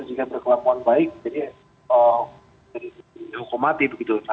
jadi jika berkelepuan baik jadi hukum mati begitu